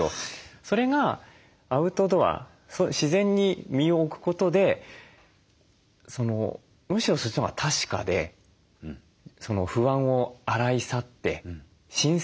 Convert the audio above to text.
それがアウトドア自然に身を置くことでむしろそっちのほうが確かでその不安を洗い去って新鮮な自分になるっていう。